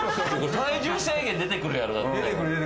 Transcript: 体重制限、出てくるやろ。